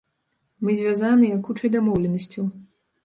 Мы звязаныя кучай дамоўленасцяў.